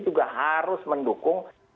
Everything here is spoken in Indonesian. juga harus mendukung